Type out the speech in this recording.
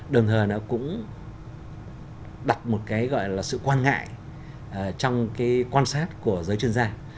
đồng thời nó cũng đặt một sự quan ngại trong quan sát của giới chuyên gia